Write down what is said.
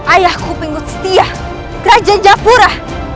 ayahku pengut setia kerajaan japura